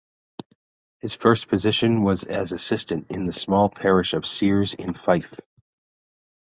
His first position was as assistant in the small parish of Ceres in Fife.